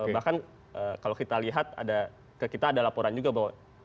bahkan kalau kita lihat ada kita ada laporan juga bahwa